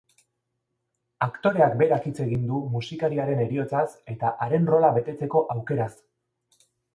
Aktoreak berak hitz egin du musikariaren heriotzaz eta haren rola betetzeko aukeraz.